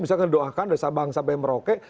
misalkan didoakan dari sabang sampai merauke